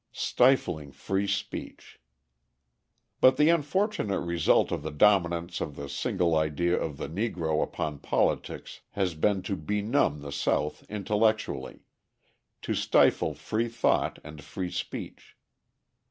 Stifling Free Speech But the unfortunate result of the dominance of the single idea of the Negro upon politics has been to benumb the South intellectually; to stifle free thought and free speech.